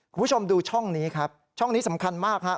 คุณผู้ชมดูช่องนี้ครับช่องนี้สำคัญมากครับ